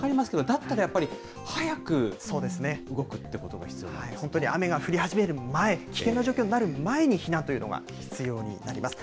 だったらやっぱり、早く動くって本当に雨が降り始める前、危険な状況になる前に避難というのが必要になります。